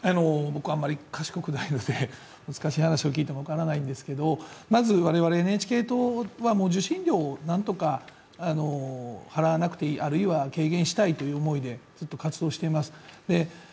僕あんまり賢くないので難しい話を聞いても分からないんですけどまず我々ＮＨＫ党は、受信料をなんとか払わなくていい、あるいは軽減したいという思いでずっと活動しています。